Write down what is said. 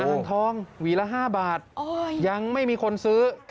อ่างทองหวีละ๕บาทยังไม่มีคนซื้อ